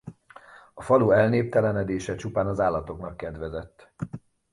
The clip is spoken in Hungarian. A falu elnéptelenedése csupán az állatoknak kedvezett.